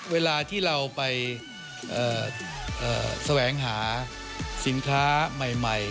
เวลาที่เราไปแสวงหาสินค้าใหม่